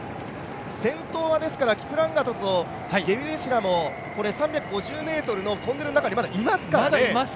先頭はですからキプラガトとゲブレシラセも３５０ｍのトンネルの中にまだいますからね。